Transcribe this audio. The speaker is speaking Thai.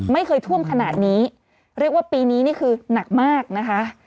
ไม่เคยท่วมขนาดนี้เรียกว่าปีนี้นี่คือหนักมากนะคะ